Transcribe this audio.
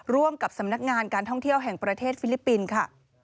ร่วมกับสำนักงานการท่องเที่ยวแห่งประเทศฟิลิปปินส์ค่ะ